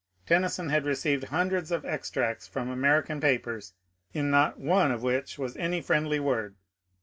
Tennyson had received hundreds of extracts from American papers in not one of which was any friendly word.